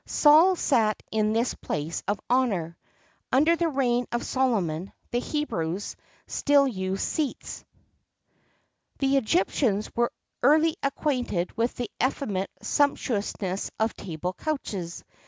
Saul sat in this place of honour.[XXXII 40] Under the reign of Solomon, the Hebrews still used seats.[XXXII 41] The Egyptians were early acquainted with the effeminate sumptuousness of table couches.